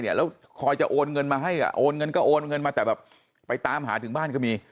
แล้วคอยจะโอนเงินมาให้โอนเงินก็โอนเงินมาแต่แบบไปตามหาถึงบ้านก็มี